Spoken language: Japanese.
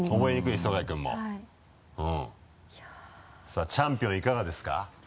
さぁチャンピオンいかがですか？